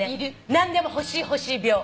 何でも欲しい欲しい病。